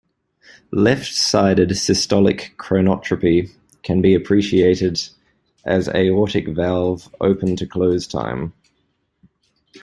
Left sided systolic chronotropy can be appreciated as Aortic Valve open to close time.